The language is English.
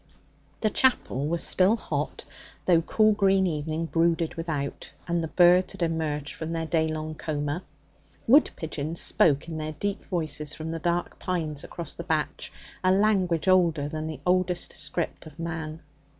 The chapel was still hot, though cool green evening brooded without and the birds had emerged from their day long coma. Wood pigeons spoke in their deep voices from the dark pines across the batch a language older than the oldest script of man.